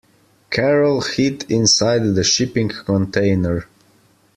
Carol hid inside the shipping container.